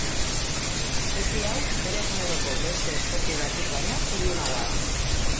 Espezie hau bere generoko beste espezie batzuk baino ilunagoa da.